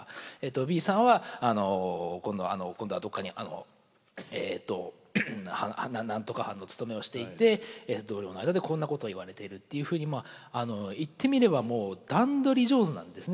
Ｂさんは今度はどっかに何とか藩の勤めをしていて同僚の間でこんなことを言われているっていうふうにまあ言ってみればもう段取り上手なんですね